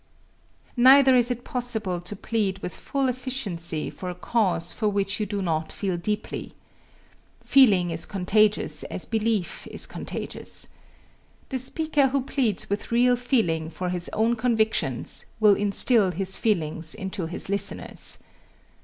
Neither is it possible to plead with full efficiency for a cause for which you do not feel deeply. Feeling is contagious as belief is contagious. The speaker who pleads with real feeling for his own convictions will instill his feelings into his listeners.